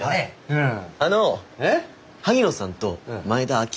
うん。